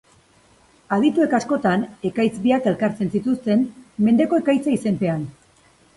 Adituek askotan ekaitz biak elkartzen zituzten, mendeko ekaitza izenpean.